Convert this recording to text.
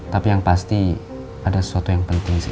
tapi yang pasti ada sesuatu yang penting sih